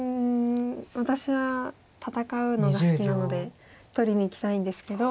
私は戦うのが好きなので取りにいきたいんですけど。